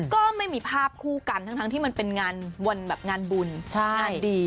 ก็ไม่มีภาพคู่กันทั้งที่มันเป็นงานบุญงานดี